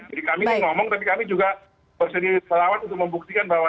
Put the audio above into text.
jadi kami ini ngomong tapi kami juga bersedia relawan untuk membuktikan bahwa